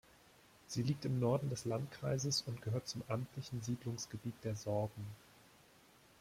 Sie liegt im Norden des Landkreises und gehört zum amtlichen Siedlungsgebiet der Sorben.